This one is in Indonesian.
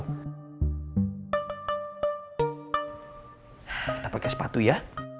kita pake sepatu ya